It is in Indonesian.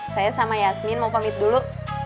saya sama yasmin mau pamit dulu